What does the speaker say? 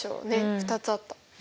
２つあった。